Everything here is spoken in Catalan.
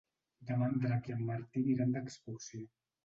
Demà en Drac i en Martí aniran d'excursió.